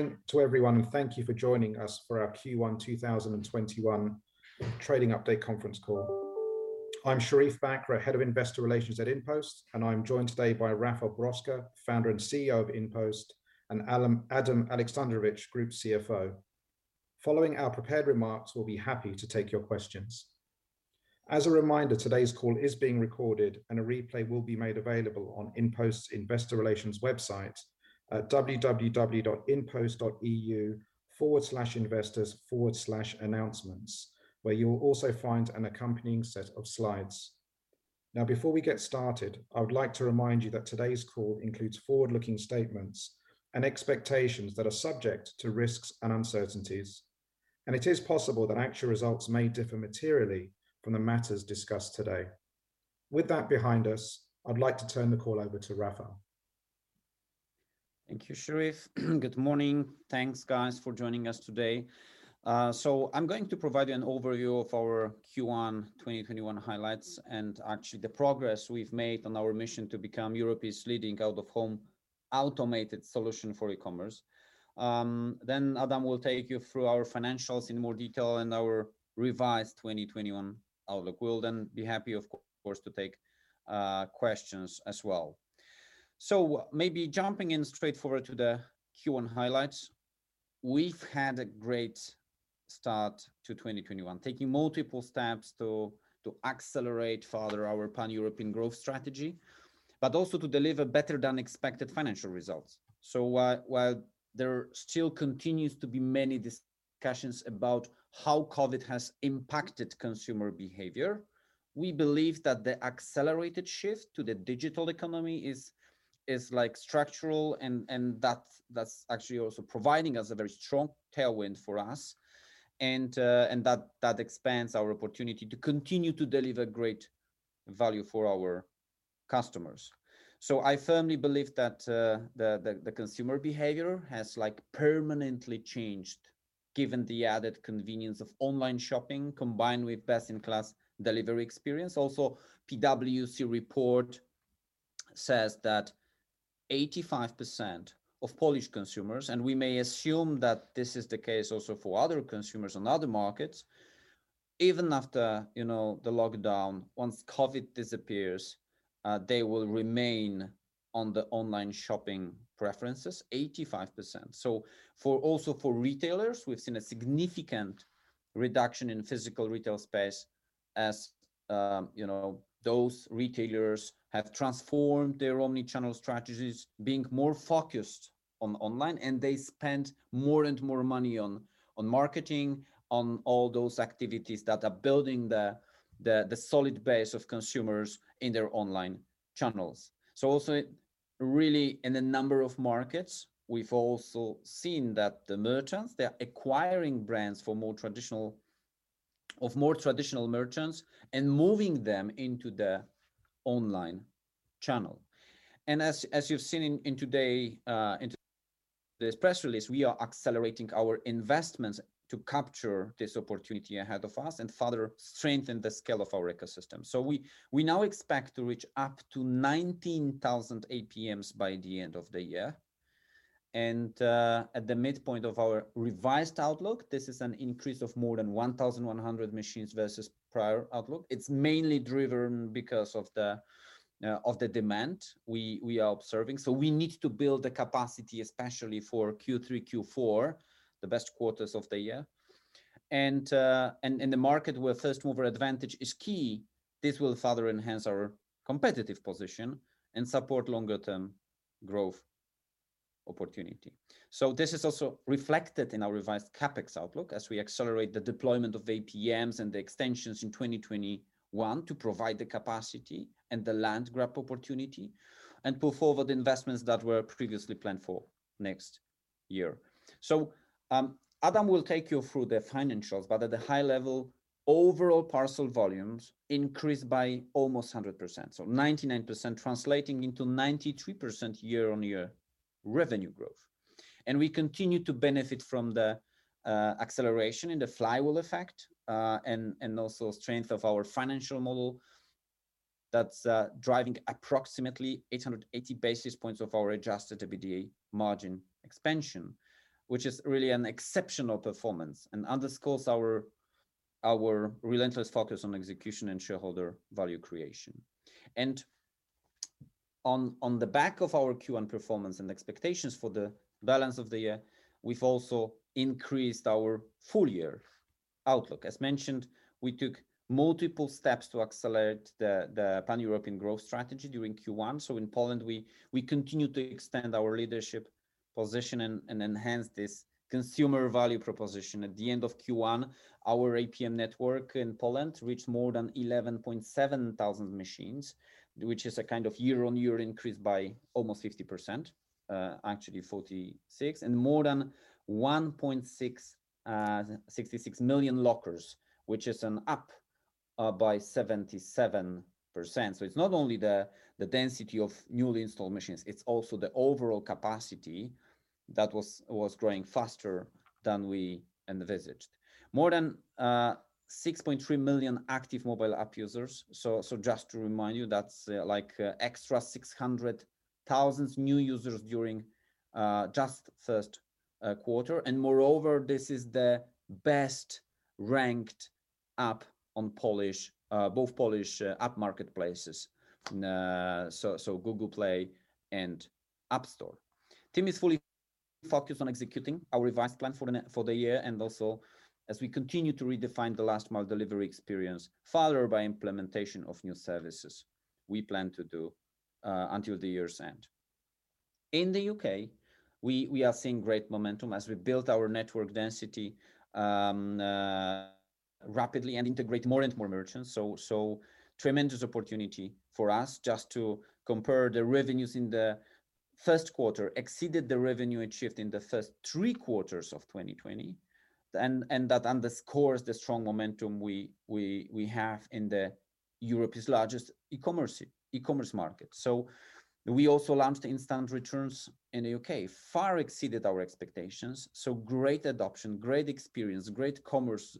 Morning to everyone, thank you for joining us for our Q1 2021 trading update conference call. I'm Sherief Bakr, Head of Investor Relations at InPost. I'm joined today by Rafał Brzoska, Founder and CEO of InPost, Adam Aleksandrowicz, Group CFO. Following our prepared remarks, we'll be happy to take your questions. As a reminder, today's call is being recorded. A replay will be made available on InPost's Investor Relations website at www.inpost.eu/investors/announcements, where you will also find an accompanying set of slides. Before we get started, I would like to remind you that today's call includes forward-looking statements and expectations that are subject to risks and uncertainties. It is possible that actual results may differ materially from the matters discussed today. With that behind us, I'd like to turn the call over to Rafał. Thank you, Sherief. Good morning. Thanks, guys, for joining us today. I'm going to provide you an overview of our Q1 2021 highlights and actually the progress we've made on our mission to become Europe's leading out-of-home automated solution for e-commerce. Adam will take you through our financials in more detail and our revised 2021 outlook. We'll then be happy, of course, to take questions as well. Maybe jumping in straightforward to the Q1 highlights. We've had a great start to 2021, taking multiple steps to accelerate further our pan-European growth strategy, but also to deliver better than expected financial results. While there still continues to be many discussions about how COVID has impacted consumer behavior, we believe that the accelerated shift to the digital economy is structural, and that's actually also providing us a very strong tailwind for us, and that expands our opportunity to continue to deliver great value for our customers. I firmly believe that the consumer behavior has permanently changed given the added convenience of online shopping, combined with best-in-class delivery experience. PwC report says that 85% of Polish consumers, and we may assume that this is the case also for other consumers on other markets, even after the lockdown, once COVID disappears, they will remain on the online shopping preferences, 85%. Also for retailers, we've seen a significant reduction in physical retail space as those retailers have transformed their omni-channel strategies, being more focused on online, and they spend more and more money on marketing, on all those activities that are building the solid base of consumers in their online channels. Also really in a number of markets, we've also seen that the merchants, they're acquiring brands of more traditional merchants and moving them into the online channel. As you've seen in today's press release, we are accelerating our investments to capture this opportunity ahead of us and further strengthen the scale of our ecosystem. We now expect to reach up to 19,000 APMs by the end of the year. At the midpoint of our revised outlook, this is an increase of more than 1,100 machines versus prior outlook. It's mainly driven because of the demand we are observing. We need to build the capacity, especially for Q3, Q4, the best quarters of the year. In the market where first-mover advantage is key, this will further enhance our competitive position and support longer-term growth opportunity. This is also reflected in our revised CapEx outlook as we accelerate the deployment of APMs and the extensions in 2021 to provide the capacity and the land grab opportunity and pull forward investments that were previously planned for next year. Adam will take you through the financials, but at the high level, overall parcel volumes increased by almost 100%, so 99%, translating into 93% year-on-year revenue growth. We continue to benefit from the acceleration in the flywheel effect, and also strength of our financial model that's driving approximately 880 basis points of our adjusted EBITDA margin expansion, which is really an exceptional performance and underscores our relentless focus on execution and shareholder value creation. On the back of our Q1 performance and expectations for the balance of the year, we've also increased our full-year outlook. As mentioned, we took multiple steps to accelerate the pan-European growth strategy during Q1. In Poland, we continue to extend our leadership position and enhance this consumer value proposition. At the end of Q1, our APM network in Poland reached more than 11,700 machines, which is a kind of year-on-year increase by almost 50%, actually 46%, and more than 1.66 million lockers, which is an up by 77%. It's not only the density of newly installed machines, it's also the overall capacity. That was growing faster than we envisaged. More than 6.3 million active mobile app users. Just to remind you, that's extra 600,000 new users during just first quarter. Moreover, this is the best-ranked app on both Polish app marketplaces, Google Play and App Store. Team is fully focused on executing our revised plan for the year, and also as we continue to redefine the last mile delivery experience, followed by implementation of new services we plan to do until the year's end. In the U.K., we are seeing great momentum as we build our network density rapidly and integrate more and more merchants. Tremendous opportunity for us just to compare the revenues in the first quarter exceeded the revenue achieved in the first three quarters of 2020, and that underscores the strong momentum we have in Europe's largest e-commerce market. We also launched Instant Returns in the U.K., far exceeded our expectations. Great adoption, great experience, great comments,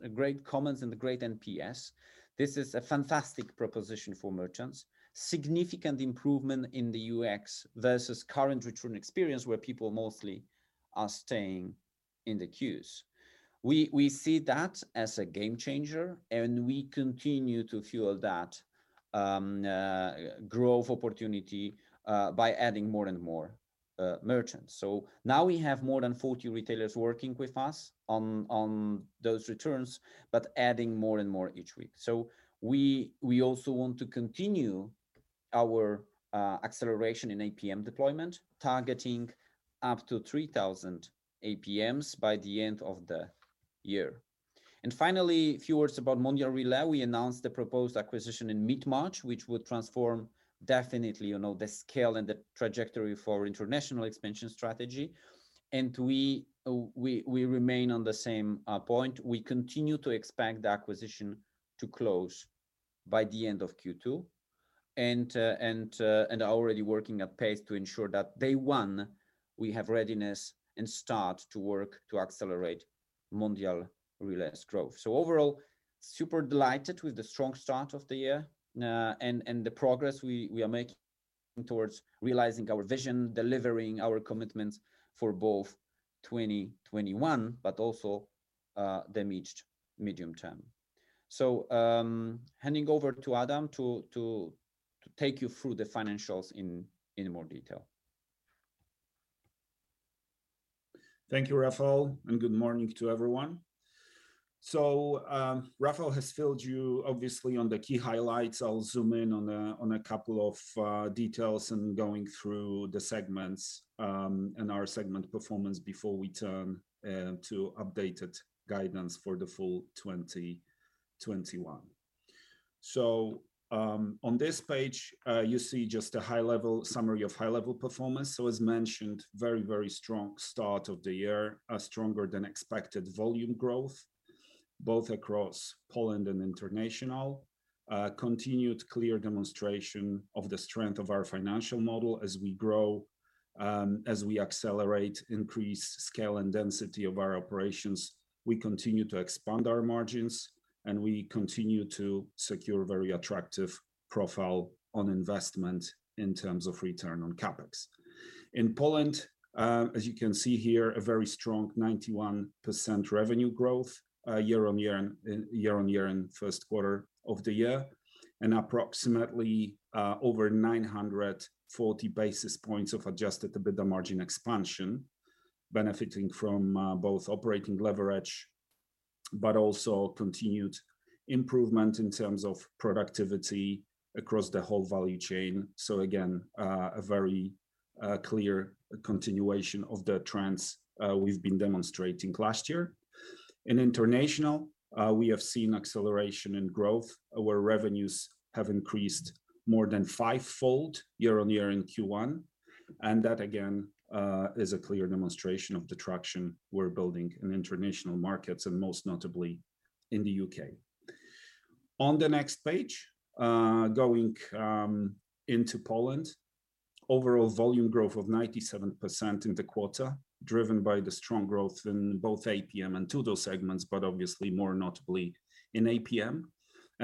and great NPS. This is a fantastic proposition for merchants. Significant improvement in the UX versus current return experience where people mostly are staying in the queues. We see that as a game changer and we continue to fuel that growth opportunity by adding more and more merchants. Now we have more than 40 retailers working with us on those returns, but adding more and more each week. We also want to continue our acceleration in APM deployment, targeting up to 3,000 APMs by the end of the year. Finally, a few words about Mondial Relay. We announced the proposed acquisition in mid-March, which would transform definitely the scale and the trajectory for our international expansion strategy. We remain on the same point. We continue to expand the acquisition to close by the end of Q2 and already working at pace to ensure that day one we have readiness and start to work to accelerate Mondial Relay's growth. Overall, super delighted with the strong start of the year and the progress we are making towards realizing our vision, delivering our commitments for both 2021 but also the medium term. Handing over to Adam to take you through the financials in more detail. Thank you, Rafał, and good morning to everyone. Rafał has filled you, obviously, on the key highlights. I'll zoom in on a couple of details and going through the segments and our segment performance before we turn to updated guidance for the full 2021. On this page, you see just a summary of high-level performance. As mentioned, very strong start of the year. A stronger than expected volume growth both across Poland and international. Continued clear demonstration of the strength of our financial model as we grow, as we accelerate, increase scale, and density of our operations. We continue to expand our margins and we continue to secure very attractive profile on investment in terms of return on CapEx. In Poland, as you can see here, a very strong 91% revenue growth year-on-year in the first quarter of the year and approximately over 940 basis points of adjusted EBITDA margin expansion, benefiting from both operating leverage but also continued improvement in terms of productivity across the whole value chain. Again, a very clear continuation of the trends we've been demonstrating last year. In international, we have seen acceleration in growth. Our revenues have increased more than fivefold year-on-year in Q1, and that again is a clear demonstration of the traction we're building in international markets and most notably in the U.K. On the next page, going into Poland, overall volume growth of 97% in the quarter, driven by the strong growth in both APM and to-door segments, but obviously more notably in APM.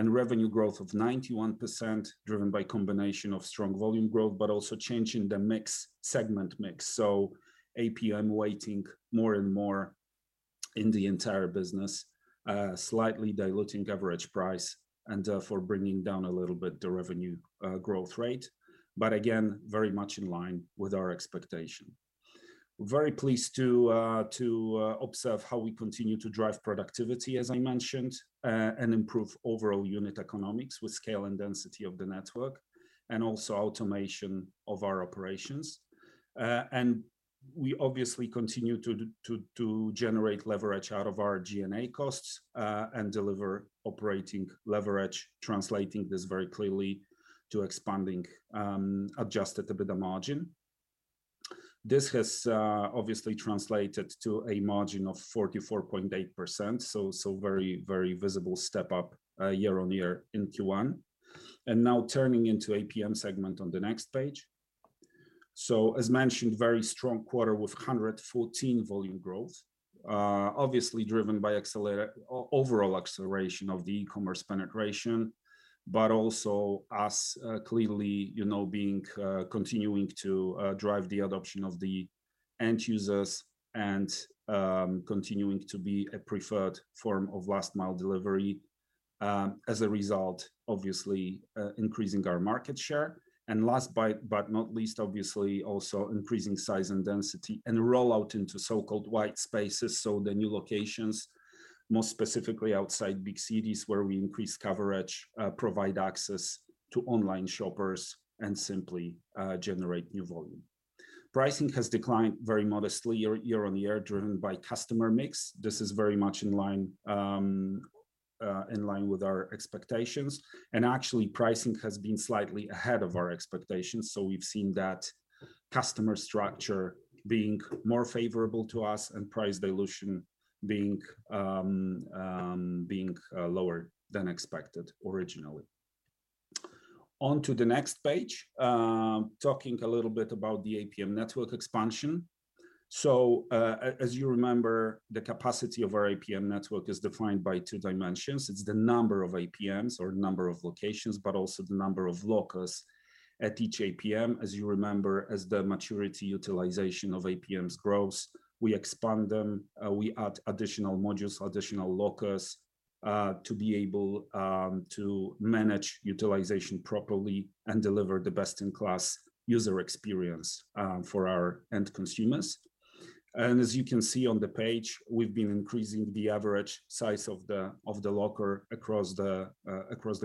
Revenue growth of 91%, driven by a combination of strong volume growth but also change in the segment mix. APM weighting more and more in the entire business, slightly diluting average price and therefore bringing down a little bit the revenue growth rate. Again, very much in line with our expectation. We're very pleased to observe how we continue to drive productivity, as I mentioned, and improve overall unit economics with scale and density of the network and also automation of our operations. We obviously continue to generate leverage out of our G&A costs and deliver operating leverage, translating this very clearly to expanding adjusted EBITDA margin. This has obviously translated to a margin of 44.8%, so very visible step-up year-on-year in Q1. Now turning into APM segment on the next page. As mentioned, very strong quarter with 114% volume growth. Obviously driven by overall acceleration of the e-commerce penetration, but also us clearly continuing to drive the adoption of the end users and continuing to be a preferred form of last-mile delivery, as a result, obviously, increasing our market share. Last but not least, obviously also increasing size and density and rollout into so-called white spaces, so the new locations, more specifically outside big cities where we increase coverage, provide access to online shoppers, and simply generate new volume. Pricing has declined very modestly year-on-year, driven by customer mix. This is very much in line with our expectations. Actually, pricing has been slightly ahead of our expectations, so we've seen that customer structure being more favorable to us and price dilution being lower than expected originally. On to the next page, talking a little bit about the APM network expansion. As you remember, the capacity of our APM network is defined by two dimensions. It's the number of APMs or number of locations, but also the number of lockers at each APM. As you remember, as the maturity utilization of APMs grows, we expand them, we add additional modules, additional lockers, to be able to manage utilization properly and deliver the best-in-class user experience for our end consumers. As you can see on the page, we've been increasing the average size of the locker across the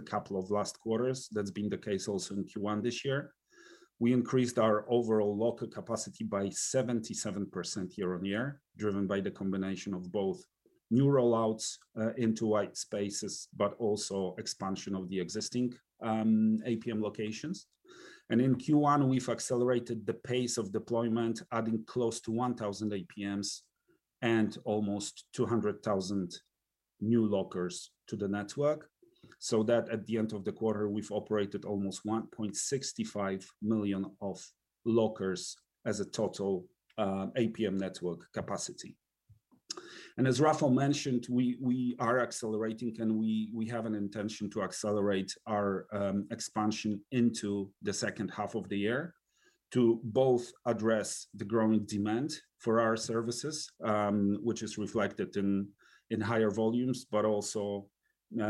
couple of last quarters. That's been the case also in Q1 this year. We increased our overall locker capacity by 77% year-on-year, driven by the combination of both new rollouts into white spaces, but also expansion of the existing APM locations. In Q1, we've accelerated the pace of deployment, adding close to 1,000 APMs and almost 200,000 new lockers to the network. At the end of the quarter, we've operated almost 1.65 million lockers as a total APM network capacity. As Rafał mentioned, we are accelerating, and we have an intention to accelerate our expansion into the second half of the year to both address the growing demand for our services, which is reflected in higher volumes, but also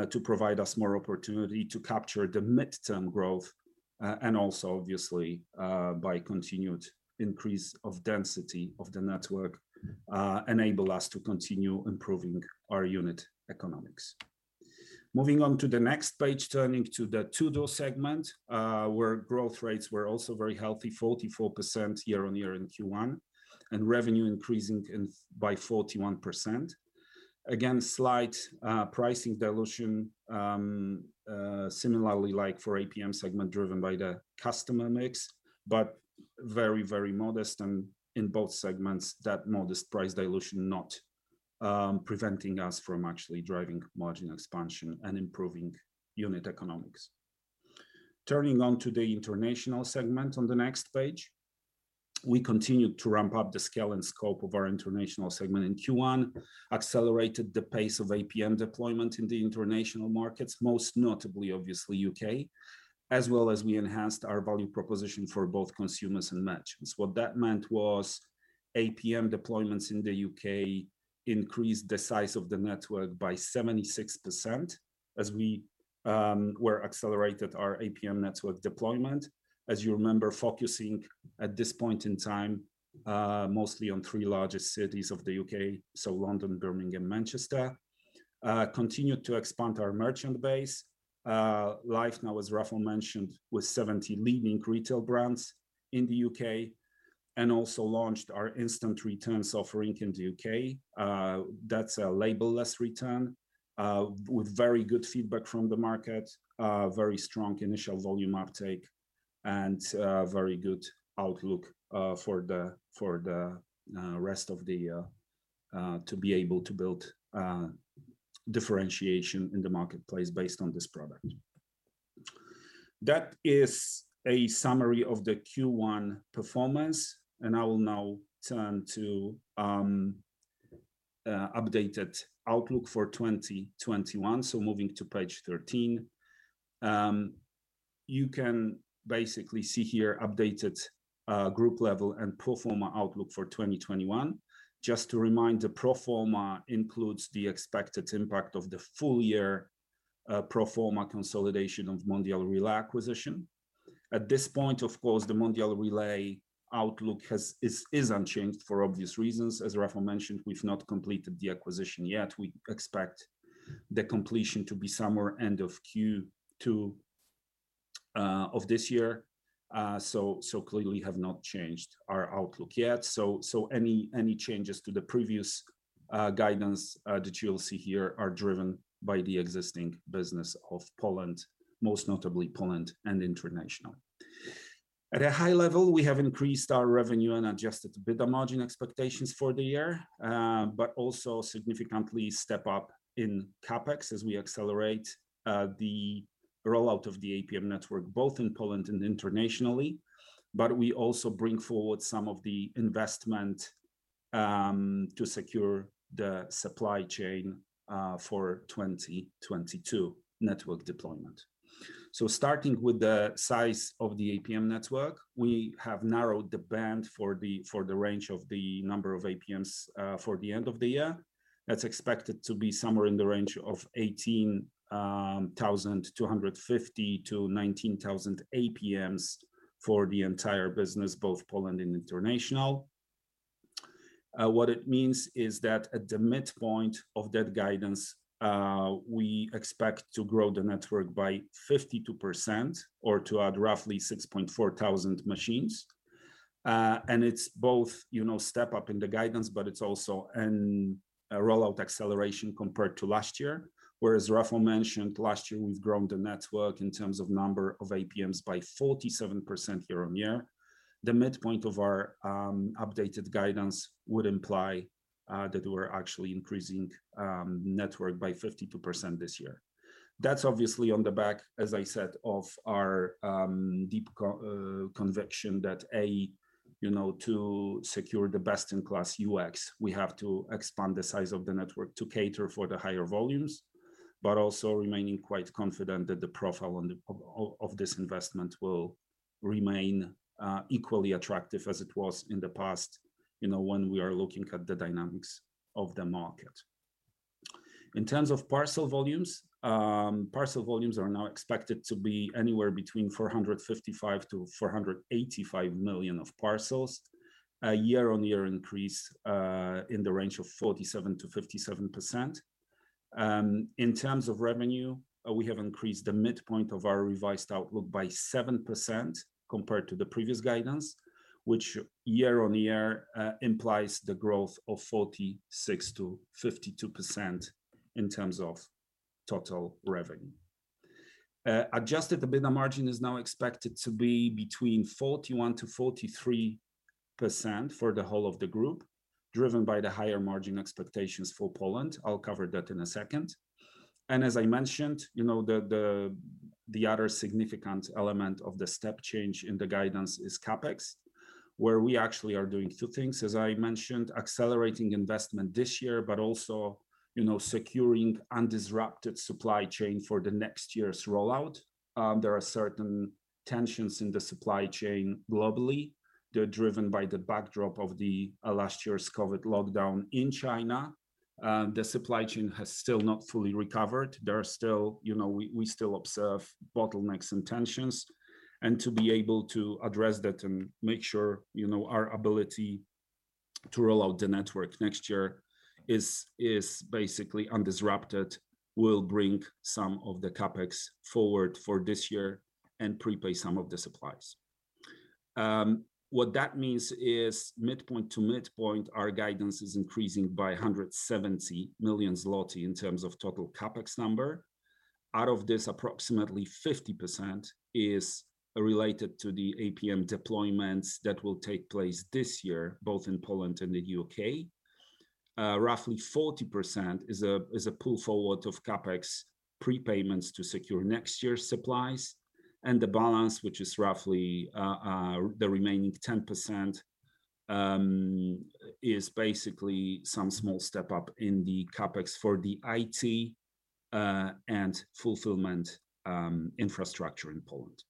to provide us more opportunity to capture the midterm growth, and also obviously, by continued increase of density of the network, enable us to continue improving our unit economics. Moving on to the next page, turning to the PUDO segment, where growth rates were also very healthy, 44% year-on-year in Q1, and revenue increasing by 41%. Again, slight pricing dilution, similarly like for APM segment, driven by the customer mix, but very modest and in both segments, that modest price dilution not preventing us from actually driving margin expansion and improving unit economics. Turning on to the international segment on the next page, we continued to ramp up the scale and scope of our international segment in Q1, accelerated the pace of APM deployment in the international markets, most notably obviously U.K., as well as we enhanced our value proposition for both consumers and merchants. What that meant was APM deployments in the U.K. increased the size of the network by 76% as we accelerated our APM network deployment, as you remember, focusing at this point in time, mostly on three largest cities of the U.K., so London, Birmingham, Manchester. Continued to expand our merchant base. Live now, as Rafał mentioned, with 70 leading retail brands in the U.K. and also launched our Instant Returns offering in the U.K. That's a label-less return with very good feedback from the market, very strong initial volume uptake, and very good outlook for the rest of the year to be able to build differentiation in the marketplace based on this product. That is a summary of the Q1 performance, and I will now turn to updated outlook for 2021. Moving to page 13. You can basically see here updated group level and pro forma outlook for 2021. Just to remind, the pro forma includes the expected impact of the full year pro forma consolidation of Mondial Relay acquisition. At this point, of course, the Mondial Relay outlook is unchanged for obvious reasons. As Rafał mentioned, we've not completed the acquisition yet. We expect the completion to be somewhere end of Q2 of this year. Clearly have not changed our outlook yet. Any changes to the previous guidance that you'll see here are driven by the existing business of Poland, most notably Poland and international. At a high level, we have increased our revenue and adjusted EBITDA margin expectations for the year, but also significantly step up in CapEx as we accelerate the rollout of the APM network, both in Poland and internationally, but we also bring forward some of the investment to secure the supply chain for 2022 network deployment. Starting with the size of the APM network, we have narrowed the band for the range of the number of APMs for the end of the year. That's expected to be somewhere in the range of 18,250 APMs-19,000 APMs for the entire business, both Poland and international. What it means is that at the midpoint of that guidance, we expect to grow the network by 52%, or to add roughly 6,400 machines. It's both step up in the guidance, but it's also a rollout acceleration compared to last year. Whereas Rafał mentioned, last year we've grown the network in terms of number of APMs by 47% year-on-year. The midpoint of our updated guidance would imply that we're actually increasing network by 52% this year. That's obviously on the back, as I said, of our deep conviction that, A, to secure the best-in-class UX, we have to expand the size of the network to cater for the higher volumes. Also remaining quite confident that the profile of this investment will remain equally attractive as it was in the past, when we are looking at the dynamics of the market. In terms of parcel volumes, parcel volumes are now expected to be anywhere between 455 million-485 million of parcels, a year-over-year increase in the range of 47%-57%. In terms of revenue, we have increased the midpoint of our revised outlook by 7% compared to the previous guidance, which year-over-year implies the growth of 46%-52% in terms of total revenue. Adjusted EBITDA margin is now expected to be between 41%-43% for the whole of the group, driven by the higher margin expectations for Poland. I'll cover that in a second. As I mentioned, the other significant element of the step change in the guidance is CapEx, where we actually are doing two things. As I mentioned, accelerating investment this year, but also securing undisrupted supply chain for the next year's rollout. There are certain tensions in the supply chain globally. They're driven by the backdrop of the last year's COVID lockdown in China. The supply chain has still not fully recovered. We still observe bottlenecks and tensions. To be able to address that and make sure our ability to roll out the network next year is basically undisrupted, we'll bring some of the CapEx forward for this year and pre-pay some of the supplies. What that means is midpoint to midpoint, our guidance is increasing by 170 million zloty in terms of total CapEx number. Out of this, approximately 50% is related to the APM deployments that will take place this year, both in Poland and the U.K. Roughly 40% is a pull forward of CapEx prepayments to secure next year's supplies. The balance, which is roughly the remaining 10%, is basically some small step up in the CapEx for the IT and fulfillment infrastructure in Poland.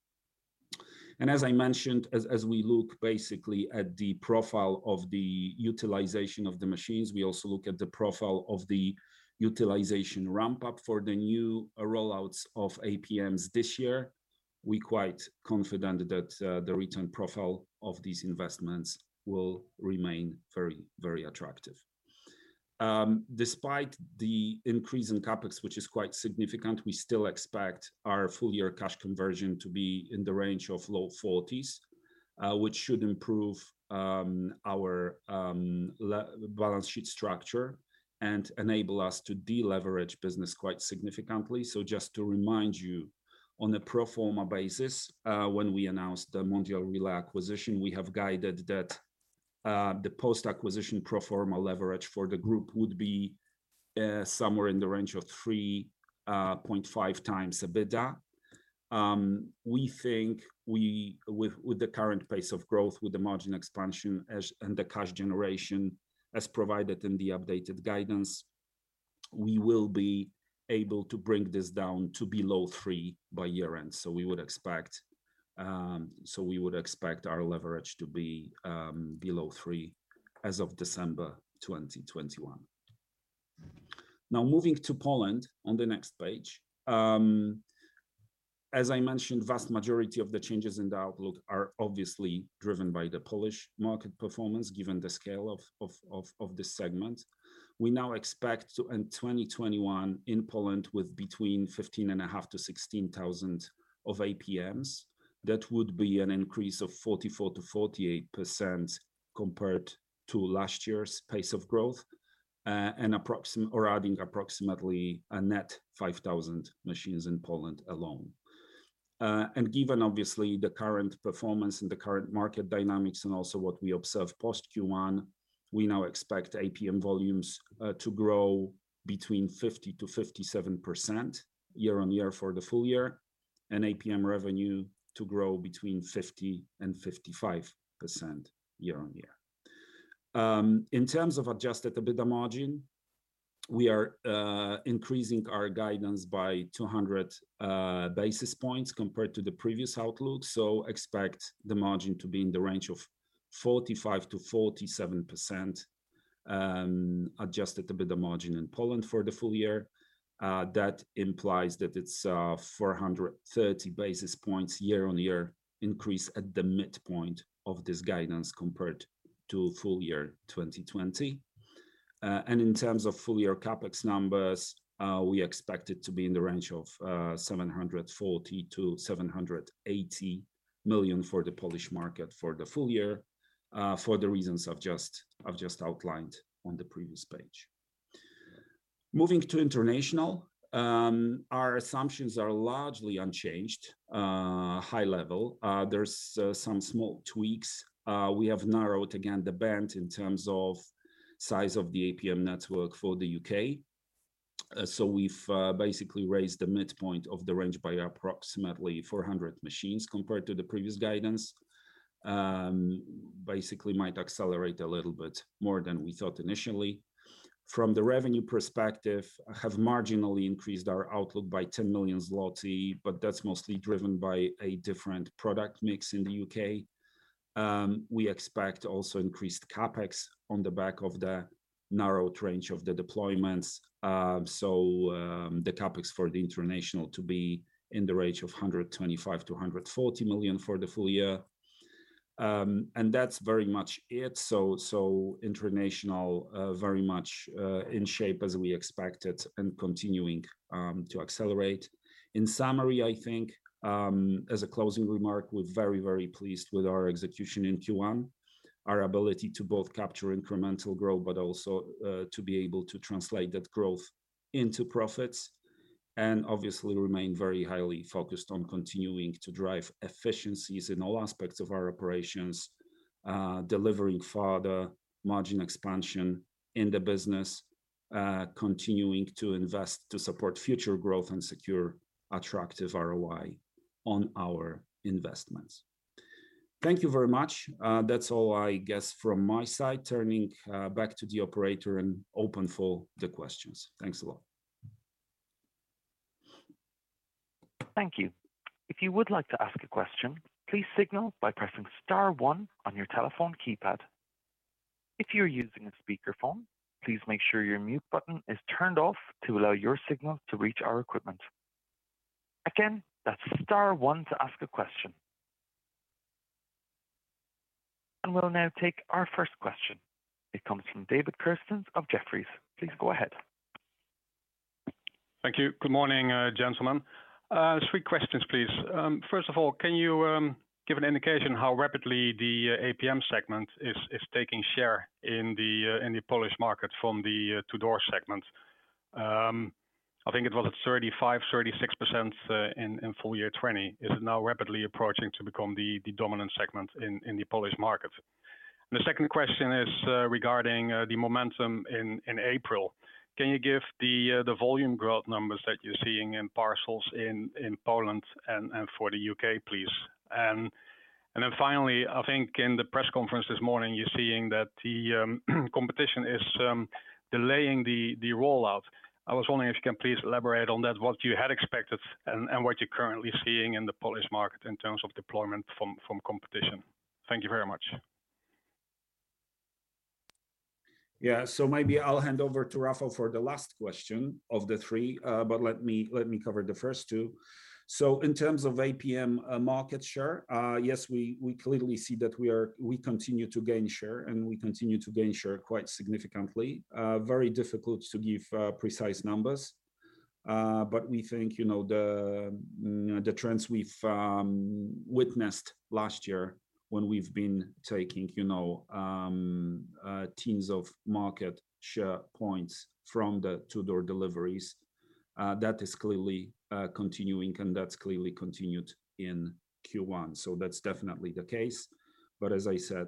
As I mentioned, as we look basically at the profile of the utilization of the machines, we also look at the profile of the utilization ramp-up for the new rollouts of APMs this year. We're quite confident that the return profile of these investments will remain very attractive. Despite the increase in CapEx, which is quite significant, we still expect our full-year cash conversion to be in the range of low 40%s. Which should improve our balance sheet structure and enable us to de-leverage business quite significantly. Just to remind you, on a pro forma basis, when we announced the Mondial Relay acquisition, we have guided that the post-acquisition pro forma leverage for the group would be somewhere in the range of 3.5x EBITDA. We think with the current pace of growth, with the margin expansion, and the cash generation as provided in the updated guidance, we will be able to bring this down to below 3x by year-end. We would expect our leverage to be below 3x as of December 2021. Moving to Poland on the next page. As I mentioned, vast majority of the changes in the outlook are obviously driven by the Polish market performance, given the scale of this segment. We now expect to end 2021 in Poland with between 15,500-16,000 of APMs. That would be an increase of 44%-48% compared to last year's pace of growth, or adding approximately a net 5,000 machines in Poland alone. Given, obviously, the current performance and the current market dynamics, and also what we observe post Q1, we now expect APM volumes to grow between 50%-57% year-on-year for the full year, and APM revenue to grow between 50% and 55% year-on-year. In terms of adjusted EBITDA margin, we are increasing our guidance by 200 basis points compared to the previous outlook. Expect the margin to be in the range of 45%-47% adjusted EBITDA margin in Poland for the full year. That implies that it's a 430 basis points year-on-year increase at the midpoint of this guidance compared to full year 2020. In terms of full year CapEx numbers, we expect it to be in the range of 740 million-780 million for the Polish market for the full year, for the reasons I've just outlined on the previous page. Moving to international. Our assumptions are largely unchanged, high level. There's some small tweaks. We have narrowed again, the band in terms of size of the APM network for the U.K. We've basically raised the midpoint of the range by approximately 400 machines compared to the previous guidance. Basically might accelerate a little bit more than we thought initially. From the revenue perspective, have marginally increased our outlook by 10 million zloty, but that's mostly driven by a different product mix in the U.K. We expect also increased CapEx on the back of the narrowed range of the deployments. The CapEx for the international to be in the range of 125 million-140 million for the full year. That's very much it. International, very much in shape as we expected and continuing to accelerate. In summary, I think, as a closing remark, we're very pleased with our execution in Q1. Our ability to both capture incremental growth, but also to be able to translate that growth into profits. Obviously remain very highly focused on continuing to drive efficiencies in all aspects of our operations. Delivering further margin expansion in the business. Continuing to invest to support future growth and secure attractive ROI on our investments. Thank you very much. That's all, I guess, from my side. Turning back to the operator and open for the questions. Thanks a lot. Thank you. If you would like to ask a question, please signal by pressing star one on your telephone keypad. If you're using a speakerphone, please make sure your mute button is turned off to allow your signal to reach our equipment. Again, that's star one to ask a question. We'll now take our first question. It comes from David Kerstens of Jefferies. Please go ahead. Thank you. Good morning, gentlemen. Three questions, please. First of all, can you give an indication how rapidly the APM segment is taking share in the Polish market from the to-door segment? I think it was at 35%, 36% in full year 2020. Is it now rapidly approaching to become the dominant segment in the Polish market? The second question is regarding the momentum in April. Can you give the volume growth numbers that you're seeing in parcels in Poland and for the U.K., please? Finally, I think in the press conference this morning, you're seeing that the competition is delaying the rollout. I was wondering if you can please elaborate on that, what you had expected and what you're currently seeing in the Polish market in terms of deployment from competition. Thank you very much. Maybe I'll hand over to Rafał for the last question of the three. Let me cover the first two. In terms of APM market share, yes, we clearly see that we continue to gain share, and we continue to gain share quite significantly. Very difficult to give precise numbers. We think the trends we've witnessed last year when we've been taking teams of market share points from the to-door deliveries, that is clearly continuing, and that's clearly continued in Q1. That's definitely the case. As I said,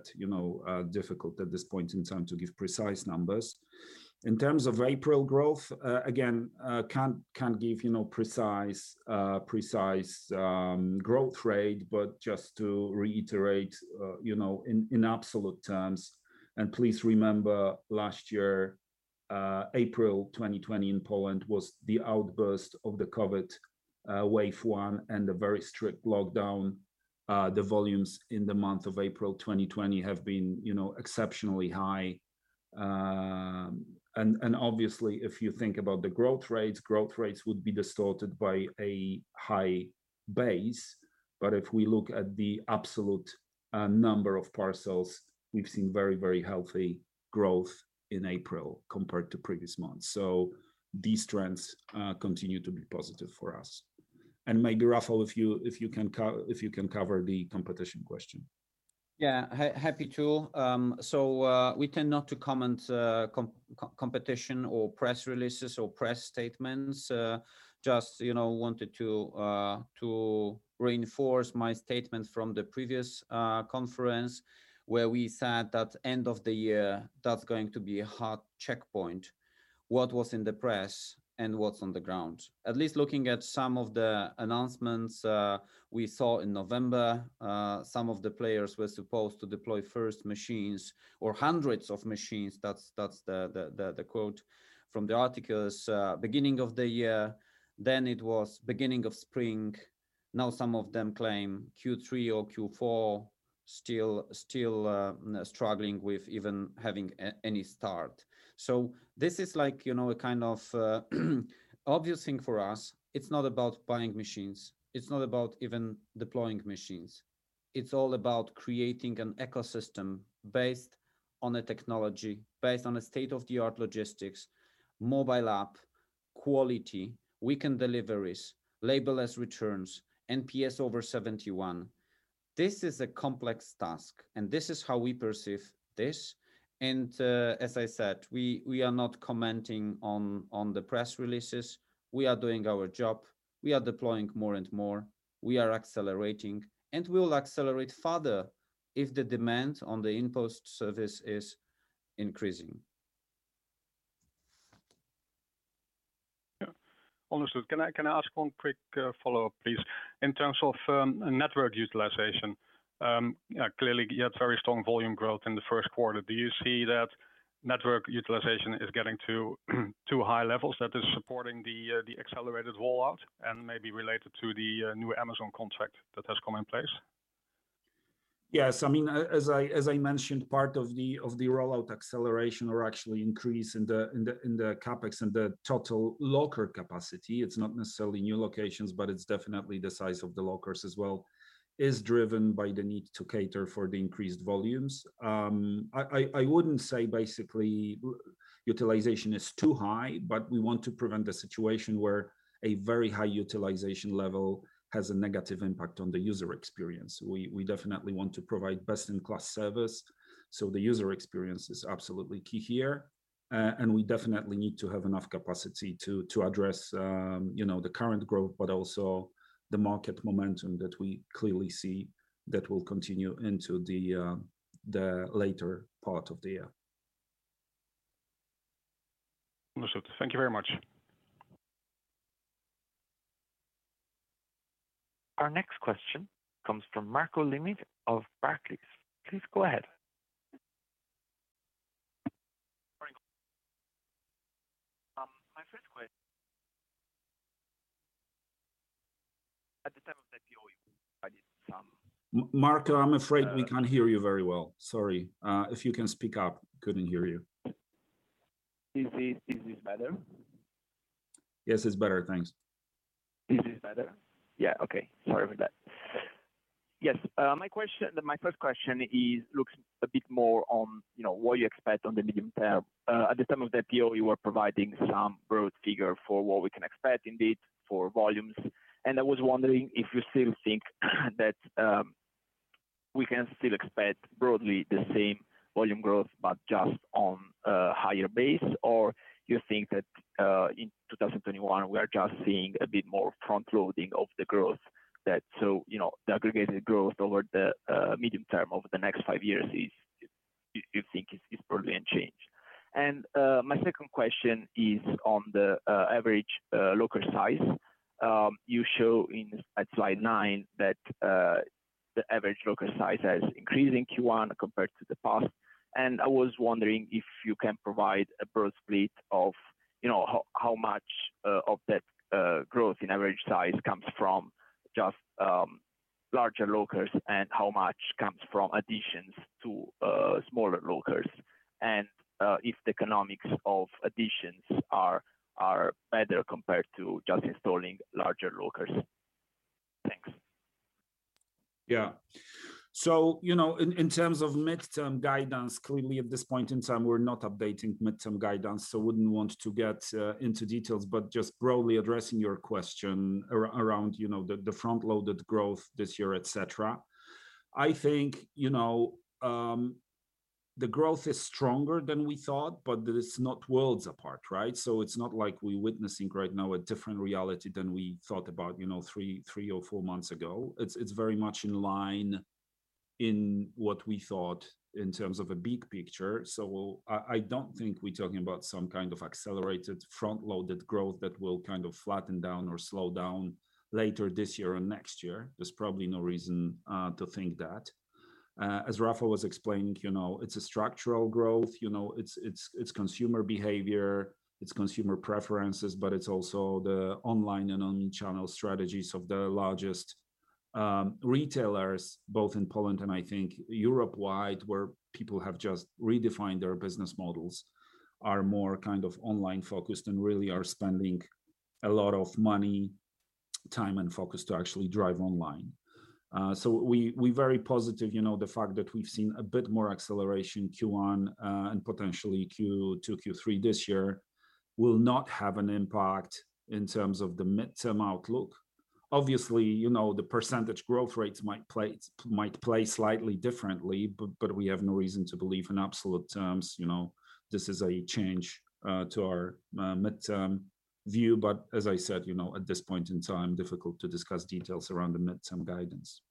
difficult at this point in time to give precise numbers. In terms of April growth, again, can't give precise growth rate. Just to reiterate, in absolute terms, and please remember last year, April 2020 in Poland was the outburst of the COVID wave one and a very strict lockdown. The volumes in the month of April 2020 have been exceptionally high. Obviously, if you think about the growth rates, growth rates would be distorted by a high base. If we look at the absolute number of parcels, we've seen very healthy growth in April compared to previous months. These trends continue to be positive for us. Maybe, Rafał, if you can cover the competition question. Yeah, happy to. We tend not to comment on competition or press releases or press statements. Just wanted to reinforce my statement from the previous conference where we said that end of the year, that's going to be a hard checkpoint. What was in the press and what's on the ground. At least looking at some of the announcements we saw in November, some of the players were supposed to deploy first machines or hundreds of machines, that's the quote from the articles, beginning of the year. It was beginning of spring. Some of them claim Q3 or Q4 still struggling with even having any start. This is a kind of obvious thing for us. It's not about buying machines. It's not about even deploying machines. It's all about creating an ecosystem based on a technology, based on a state-of-the-art logistics, mobile app, quality, weekend deliveries, label-less returns, NPS over 71. This is a complex task. This is how we perceive this. As I said, we are not commenting on the press releases. We are doing our job. We are deploying more and more. We are accelerating, and we will accelerate further if the demand on the InPost service is increasing. Yeah. Understood. Can I ask one quick follow-up, please? In terms of network utilization, clearly you had very strong volume growth in the first quarter. Do you see that network utilization is getting to too high levels that is supporting the accelerated rollout and maybe related to the new Amazon contract that has come in place? Yes. As I mentioned, part of the rollout acceleration or actually increase in the CapEx and the total locker capacity, it's not necessarily new locations, but it's definitely the size of the lockers as well, is driven by the need to cater for the increased volumes. I wouldn't say basically utilization is too high, but we want to prevent a situation where a very high utilization level has a negative impact on the user experience. We definitely want to provide best-in-class service, so the user experience is absolutely key here, and we definitely need to have enough capacity to address the current growth, but also the market momentum that we clearly see that will continue into the later part of the year. Understood. Thank you very much. Our next question comes from Marco Limite of Barclays. Please go ahead. Sorry. My first question. At the time of the IPO, you provided. Marco, I'm afraid we can't hear you very well. Sorry. If you can speak up. Couldn't hear you. Is this better? Yes, it's better. Thanks. Is this better? Yeah. Okay. Sorry for that. Yes. My first question looks a bit more on what you expect on the medium term. At the time of the IPO, you were providing some growth figure for what we can expect indeed for volumes. I was wondering if you still think that we can still expect broadly the same volume growth but just on a higher base, or you think that in 2021, we are just seeing a bit more front-loading of the growth. The aggregated growth over the medium term over the next five years is, you think it's still going to change. My second question is on the average locker size. You show at slide nine that the average locker size has increased in Q1 compared to the past, and I was wondering if you can provide a broad split of how much of that growth in average size comes from just larger lockers and how much comes from additions to smaller lockers. If the economics of additions are better compared to just installing larger lockers. Thanks. Yeah. In terms of midterm guidance, clearly at this point in time, we're not updating midterm guidance, so wouldn't want to get into details, but just broadly addressing your question around the front-loaded growth this year, et cetera. I think the growth is stronger than we thought, but it's not worlds apart, right? It's not like we're witnessing right now a different reality than we thought about three or four months ago. It's very much in line in what we thought in terms of a big picture. I don't think we're talking about some kind of accelerated front-loaded growth that will kind of flatten down or slow down later this year or next year. There's probably no reason to think that. As Rafał was explaining, it's a structural growth. It's consumer behavior, it's consumer preferences, but it's also the online and omnichannel strategies of the largest retailers, both in Poland and I think Europe-wide, where people have just redefined their business models, are more kind of online-focused and really are spending a lot of money, time, and focus to actually drive online. We're very positive the fact that we've seen a bit more acceleration Q1 and potentially Q2, Q3 this year. Will not have an impact in terms of the midterm outlook. Obviously, the percentage growth rates might play slightly differently, but we have no reason to believe in absolute terms. This is a change to our midterm view. As I said, at this point in time, difficult to discuss details around the midterm guidance.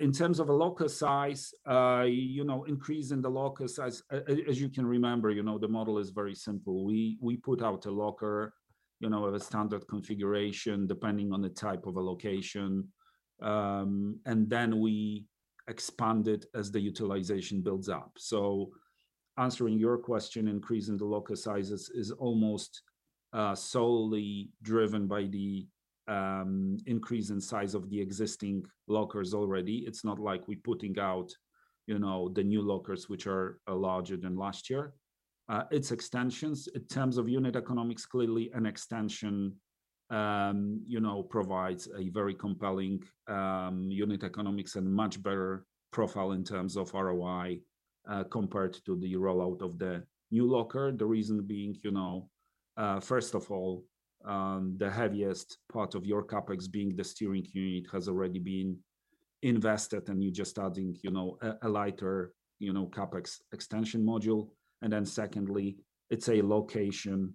In terms of a locker size, increase in the locker size, as you can remember, the model is very simple. We put out a locker, of a standard configuration, depending on the type of a location, and then we expand it as the utilization builds up. Answering your question, increase in the locker sizes is almost solely driven by the increase in size of the existing lockers already. It's not like we're putting out the new lockers, which are larger than last year. It's extensions. In terms of unit economics, clearly an extension provides a very compelling unit economics and much better profile in terms of ROI, compared to the rollout of the new locker. The reason being, first of all, the heaviest part of your CapEx being the steering unit has already been invested and you're just adding a lighter CapEx extension module. Then secondly, it's a location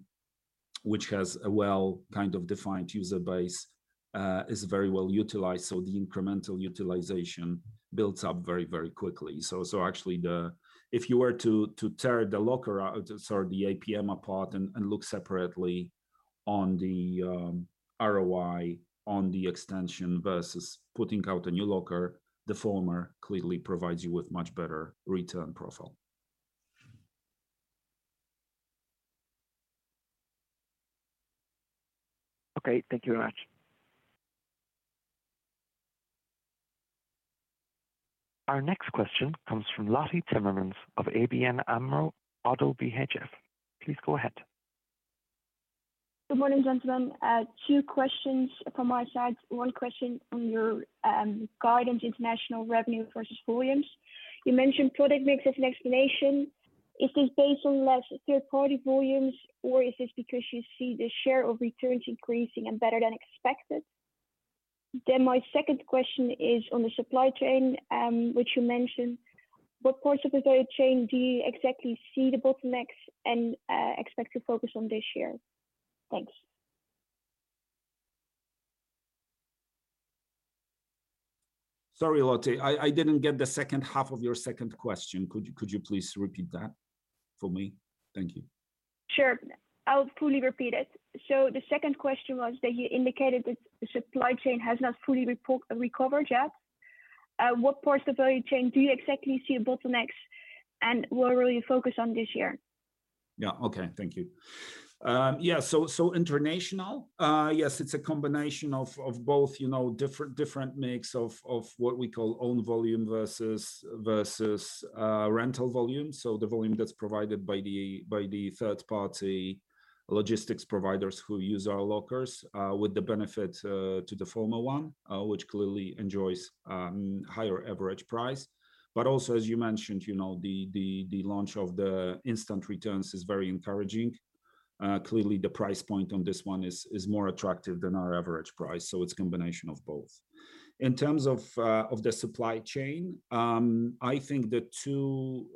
which has a well kind of defined user base, is very well utilized, so the incremental utilization builds up very, very quickly. Actually, if you were to tear the locker out, sorry, the APM apart and look separately on the ROI on the extension versus putting out a new locker, the former clearly provides you with much better return profile. Okay. Thank you very much. Our next question comes from Lotte Timmermans of ABN AMRO - ODDO BHF. Please go ahead. Good morning, gentlemen. Two questions from my side. One question on your guidance, international revenue versus volumes. You mentioned product mix as an explanation. Is this based on less third-party volumes, or is this because you see the share of returns increasing and better than expected? My second question is on the supply chain, which you mentioned. What parts of the value chain do you exactly see the bottlenecks and expect to focus on this year? Thanks. Sorry, Lotte. I didn't get the second half of your second question. Could you please repeat that for me? Thank you. Sure. I'll fully repeat it. The second question was that you indicated that the supply chain has not fully recovered yet. What parts of value chain do you exactly see bottlenecks, and where will you focus on this year? Thank you. International. Yes, it's a combination of both different mix of what we call own volume versus rental volume, so the volume that's provided by the third party logistics providers who use our lockers, with the benefit to the former one, which clearly enjoys higher average price. Also, as you mentioned, the launch of the Instant Returns is very encouraging. Clearly, the price point on this one is more attractive than our average price, so it's a combination of both. In terms of the supply chain, I think the two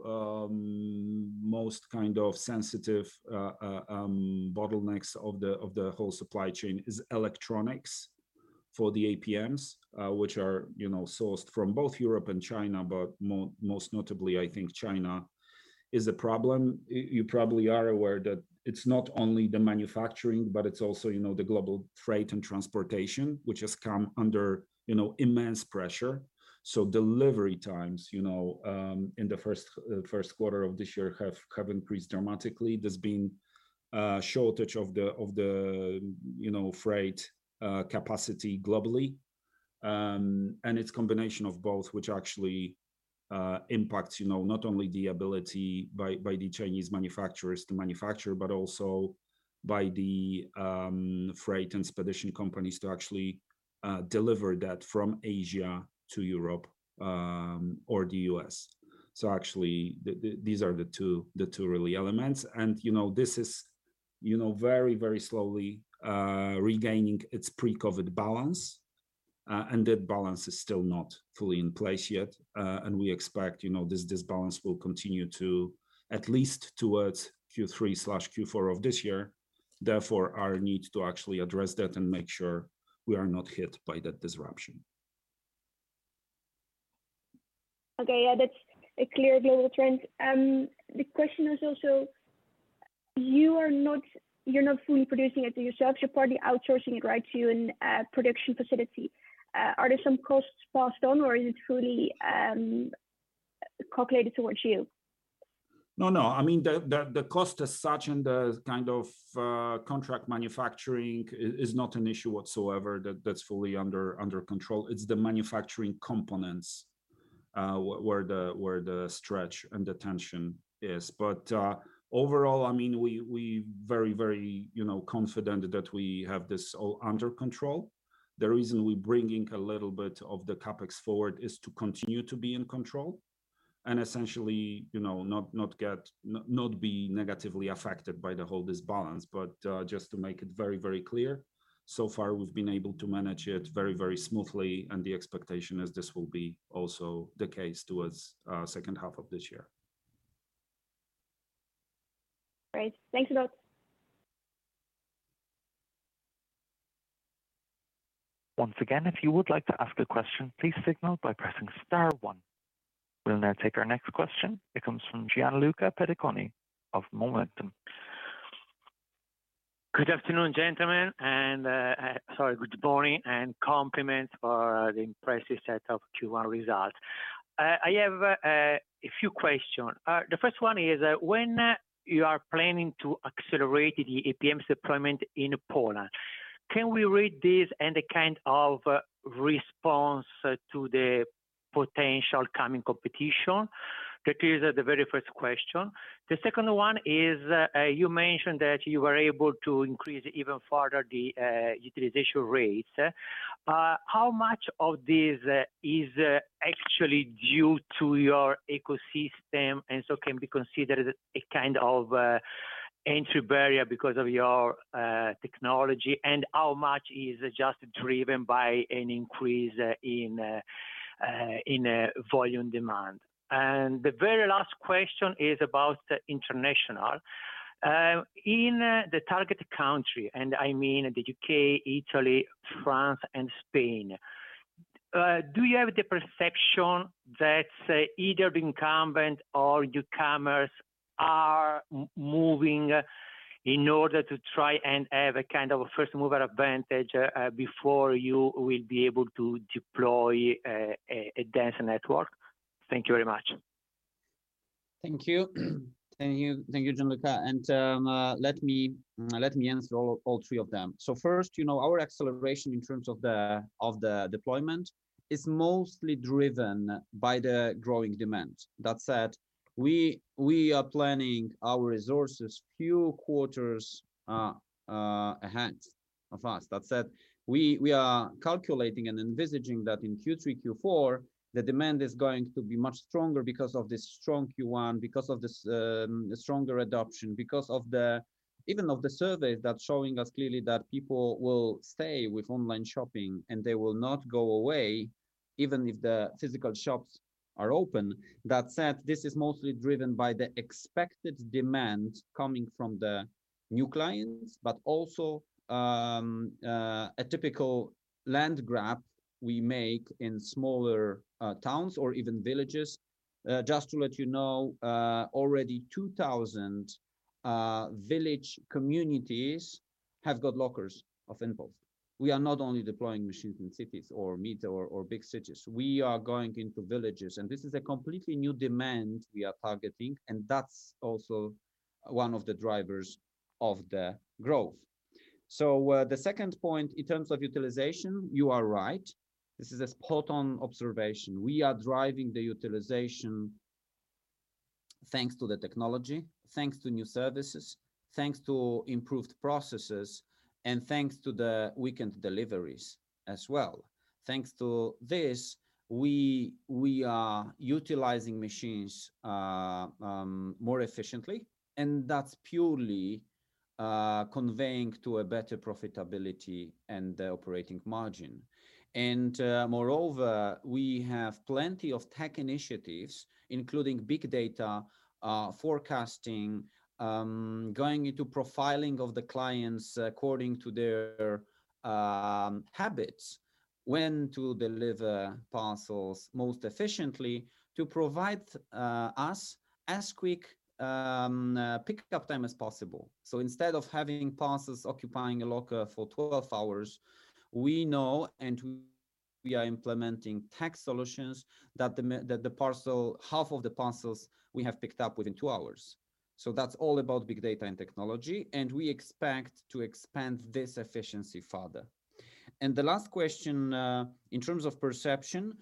most kind of sensitive bottlenecks of the whole supply chain is electronics for the APMs, which are sourced from both Europe and China, but most notably, I think China is a problem. You probably are aware that it's not only the manufacturing, but it's also the global freight and transportation, which has come under immense pressure. Delivery times, in the first quarter of this year have increased dramatically. There's been a shortage of the freight capacity globally. It's combination of both, which actually impacts not only the ability by the Chinese manufacturers to manufacture, but also by the freight and expedition companies to actually deliver that from Asia to Europe, or the U.S. Actually, these are the two early elements. This is very, very slowly regaining its pre-COVID balance. That balance is still not fully in place yet. We expect this disbalance will continue to at least towards Q3/Q4 of this year. Therefore, our need to actually address that and make sure we are not hit by that disruption. Okay. Yeah, that's a clear global trend. The question is also, you're not fully producing it yourselves. You're partly outsourcing it, right? To a production facility. Are there some costs passed on or is it fully calculated towards you? No, no. I mean, the cost as such and the kind of contract manufacturing is not an issue whatsoever. That's fully under control. It's the manufacturing components, where the stretch and the tension is. Overall, we very, very confident that we have this all under control. The reason we're bringing a little bit of the CapEx forward is to continue to be in control Essentially, not be negatively affected by the whole disbalance. Just to make it very clear, so far, we've been able to manage it very smoothly, and the expectation is this will be also the case towards second half of this year. Great. Thank you both. Once again, if you would like to ask a question, please signal by pressing star one. We will now take our next question. It comes from Gianluca Pediconi of MOMentum. Good afternoon, gentlemen. Sorry, good morning, and compliments for the impressive set of Q1 results. I have a few questions. The first one is, when you are planning to accelerate the APMs deployment in Poland, can we read this as a kind of response to the potential coming competition? That is the very first question. The second one is, you mentioned that you were able to increase even further the utilization rates. How much of this is actually due to your ecosystem, and so can be considered a kind of entry barrier because of your technology, and how much is just driven by an increase in volume demand? The very last question is about international. In the target country, and I mean the U.K., Italy, France, and Spain, do you have the perception that either the incumbent or newcomers are moving in order to try and have a kind of a first-mover advantage before you will be able to deploy a dense network? Thank you very much. Thank you, Gianluca, and let me answer all three of them. First, our acceleration in terms of the deployment is mostly driven by the growing demand. We are planning our resources a few quarters ahead of us. We are calculating and envisaging that in Q3, Q4, the demand is going to be much stronger because of this strong Q1, because of the stronger adoption, because of even the surveys that's showing us clearly that people will stay with online shopping, and they will not go away even if the physical shops are open. This is mostly driven by the expected demand coming from the new clients, but also a typical land grab we make in smaller towns or even villages. Just to let you know, already 2,000 village communities have got lockers of InPost. We are not only deploying machines in cities or metro or big cities. We are going into villages, and this is a completely new demand we are targeting, and that's also one of the drivers of the growth. The second point, in terms of utilization, you are right. This is a spot-on observation. We are driving the utilization thanks to the technology, thanks to new services, thanks to improved processes, and thanks to the weekend deliveries as well. Thanks to this, we are utilizing machines more efficiently, and that's purely conveying to a better profitability and the operating margin. Moreover, we have plenty of tech initiatives, including big data forecasting, going into profiling of the clients according to their habits, when to deliver parcels most efficiently to provide us as quick pickup time as possible. Instead of having parcels occupying a locker for 12 hours, we know, and we are implementing tech solutions that half of the parcels we have picked up within two hours. That's all about big data and technology, and we expect to expand this efficiency further. The last question, in terms of perception,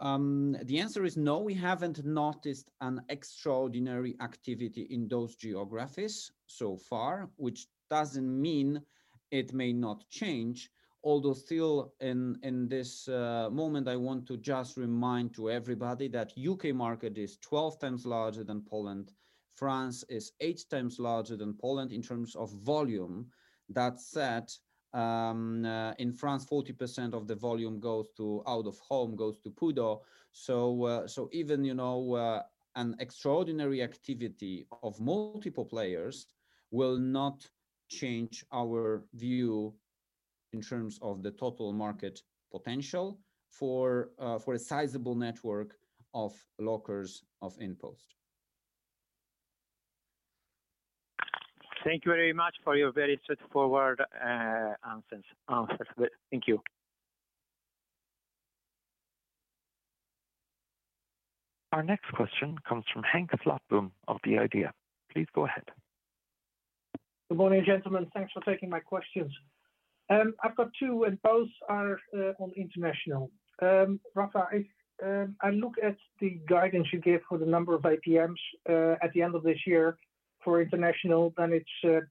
the answer is no, we haven't noticed an extraordinary activity in those geographies so far, which doesn't mean it may not change. Although still in this moment, I want to just remind everybody that U.K. market is 12 times larger than Poland. France is eight times larger than Poland in terms of volume. That said, in France, 40% of the volume out of home goes to PUDO. Even an extraordinary activity of multiple players will not change our view in terms of the total market potential for a sizable network of lockers of InPost. Thank you very much for your very straightforward answers. Thank you. Our next question comes from Henk Slotboom of the IDEA!. Please go ahead. Good morning, gentlemen. Thanks for taking my questions. I've got two, and both are on international. Rafał, I look at the guidance you gave for the number of APMs at the end of this year, for international, it's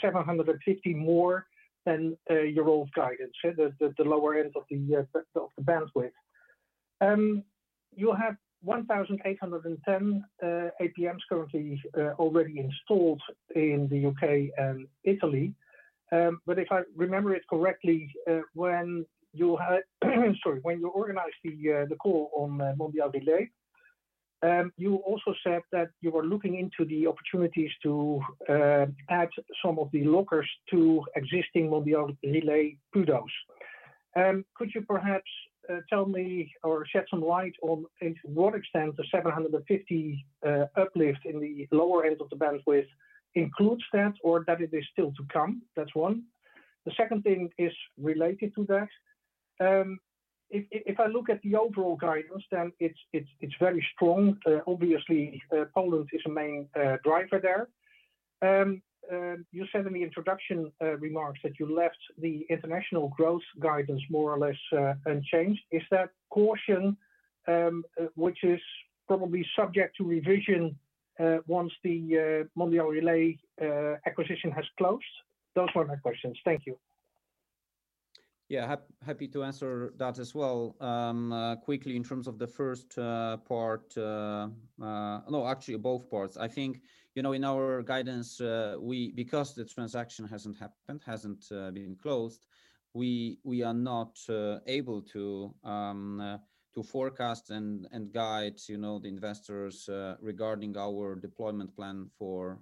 750 more than your old guidance, the lower end of the bandwidth. You have 1,810 APMs currently already installed in the U.K. and Italy. If I remember it correctly, when you organized the call on Mondial Relay, you also said that you were looking into the opportunities to add some of the lockers to existing Mondial Relay pickups. Could you perhaps tell me or shed some light on to what extent the 750 uplift in the lower end of the bandwidth includes that, or that it is still to come? That's one. The second thing is related to that. If I look at the overall guidance, it's very strong. Obviously, Poland is the main driver there. You said in the introduction remarks that you left the international growth guidance more or less unchanged. Is that caution which is probably subject to revision once the Mondial Relay acquisition has closed? Those were my questions. Thank you. Yeah, happy to answer that as well. Quickly in terms of the first part, no, actually both parts. I think, in our guidance, because the transaction hasn't been closed, we are not able to forecast and guide the investors regarding our deployment plan for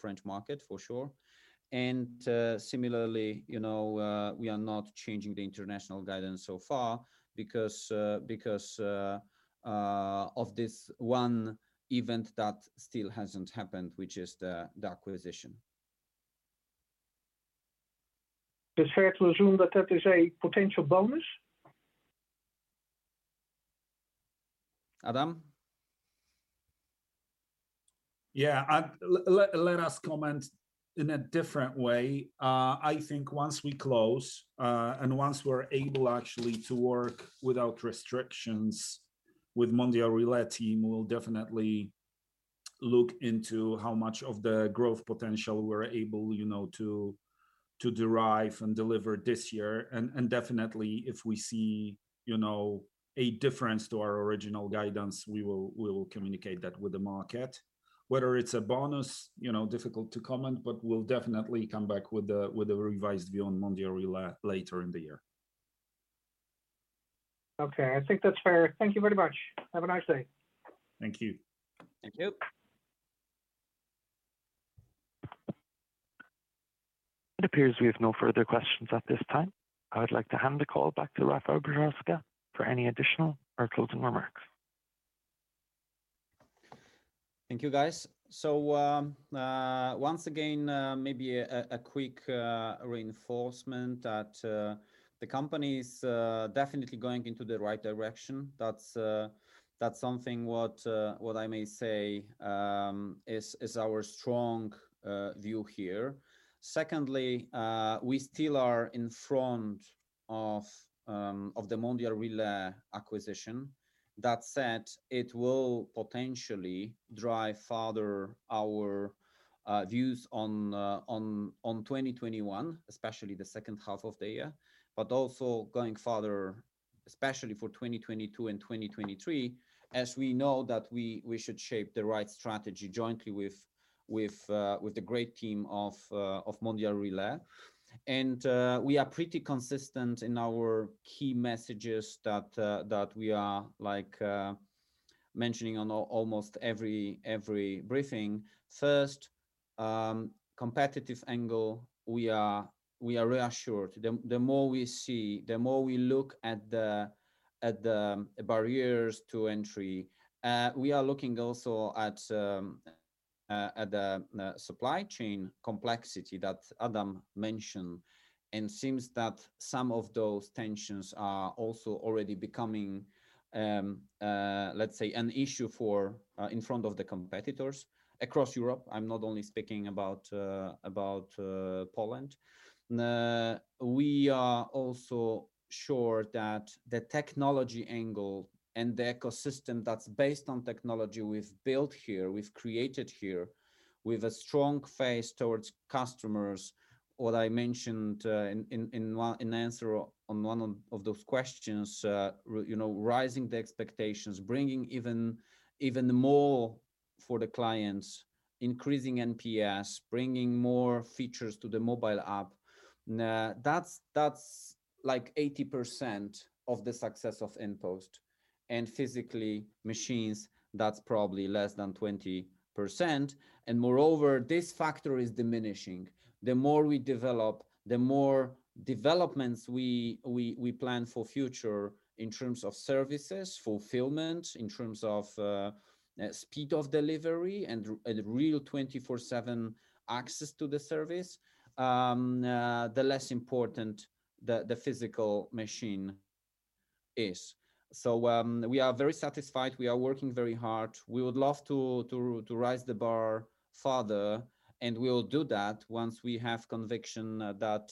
French market, for sure. Similarly, we are not changing the international guidance so far because of this one event that still hasn't happened, which is the acquisition. Is it fair to assume that it is a potential bonus? Adam? Yeah. Let us comment in a different way. I think once we close, and once we're able actually to work without restrictions with Mondial Relay team, we'll definitely look into how much of the growth potential we're able to derive and deliver this year. Definitely if we see a difference to our original guidance, we will communicate that with the market. Whether it's a bonus, difficult to comment, but we'll definitely come back with a revised view on Mondial Relay later in the year. Okay. I think that's fair. Thank you very much. Have a nice day. Thank you. Thank you. It appears we have no further questions at this time. I would like to hand the call back to Rafał Brzoska for any additional or closing remarks. Thank you, guys. Once again, maybe a quick reinforcement that the company is definitely going into the right direction. That's something what I may say is our strong view here. Secondly, we still are in front of the Mondial Relay acquisition. That said, it will potentially drive further our views on 2021, especially the second half of the year, but also going further, especially for 2022 and 2023, as we know that we should shape the right strategy jointly with the great team of Mondial Relay. We are pretty consistent in our key messages that we are mentioning on almost every briefing. First, competitive angle, we are reassured. The more we see, the more we look at the barriers to entry. We are looking also at the supply chain complexity that Adam mentioned. Seems that some of those tensions are also already becoming, let's say, an issue in front of the competitors across Europe. I'm not only speaking about Poland. We are also sure that the technology angle and the ecosystem that's based on technology we've built here, we've created here with a strong face towards customers. What I mentioned in answer on one of those questions, rising the expectations, bringing even more for the clients, increasing NPS, bringing more features to the mobile app. That's 80% of the success of InPost. Physically machines, that's probably less than 20%. Moreover, this factor is diminishing. The more we develop, the more developments we plan for future in terms of services, fulfillment, in terms of speed of delivery and real 24/7 access to the service, the less important the physical machine is. We are very satisfied. We are working very hard. We would love to rise the bar further, and we'll do that once we have conviction that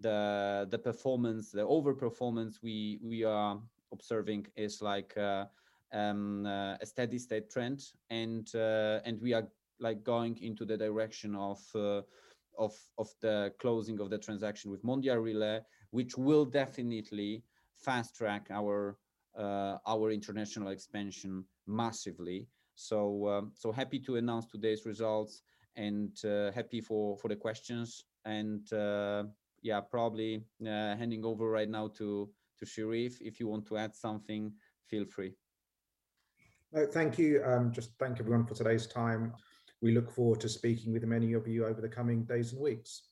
the performance, the overperformance we are observing is a steady state trend. We are going into the direction of the closing of the transaction with Mondial Relay, which will definitely fast-track our international expansion massively. Happy to announce today's results and happy for the questions. Probably handing over right now to Sherief. If you want to add something, feel free. No, thank you. Just thank everyone for today's time. We look forward to speaking with many of you over the coming days and weeks.